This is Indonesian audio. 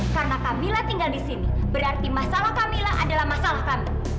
karena kamila tinggal di sini berarti masalah kamila adalah masalah kami